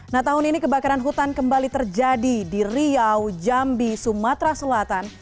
nah tahun ini kebakaran hutan kembali terjadi di riau jambi sumatera selatan